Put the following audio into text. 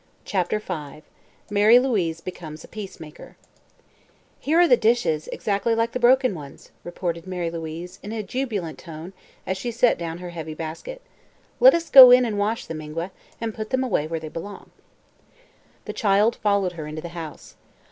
CHAPTER V MARY LOUISE BECOMES A PEACEMAKER "Here are the dishes, exactly like the broken ones," reported Mary Louise in a jubilant tone as she set down her heavy basket. "Let us go in and wash them, Ingua, and put them away where they belong." The child followed her into the house.